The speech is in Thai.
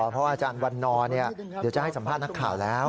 เพราะอาจารย์วันนอร์เดี๋ยวจะให้สัมภาษณ์นักข่าวแล้ว